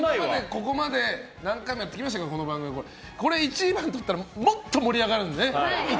ここまで何回もやってきましたけど１番とったら、いつももっと盛り上がるんですよね。